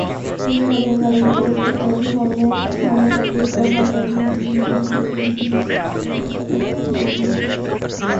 কৃষ্ণা বেঙ্গালুরুতে একটি আইটি ফার্মে চাকরির অফার পেয়েছিলেন এবং রাধার সাথে চিরস্থায়ী সম্পর্ক বজায় রাখার সিদ্ধান্ত নিয়ে চলে যান।